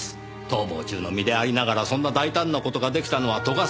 逃亡中の身でありながらそんな大胆な事が出来たのは斗ヶ